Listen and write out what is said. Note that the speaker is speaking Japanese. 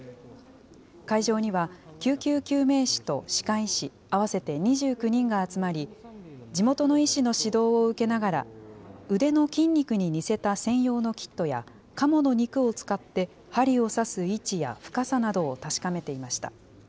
会場には救急救命士と歯科医師、合わせて２９人が集まり、地元の医師の指導を受けながら、腕の筋肉に似せた専用のキットやかもの肉を使って針を刺す位置や深さなどを確かめていました。